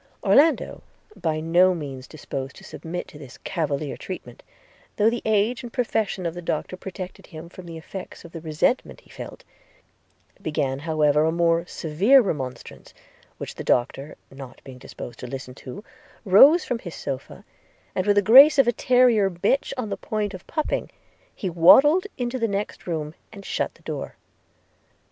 – Orlando by no means disposed to submit to this cavalier treatment, though the age and profession of the Doctor protected him from the effects of the resentment he felt, began however a more severe remonstrance; which the Doctor not being disposed to listen to, rose from his sopha, and, with the grace of a terrier bitch on the point of pupping, he waddled into the next room, and shut the door.